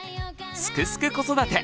「すくすく子育て」